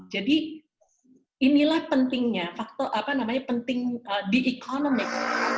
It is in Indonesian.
jadi inilah pentingnya faktor apa namanya penting di economic